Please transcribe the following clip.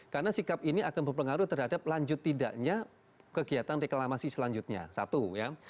karena sikap ini akan berpengaruh terhadap lanjut tidaknya kegiatan reklamasi selanjutnya satu ya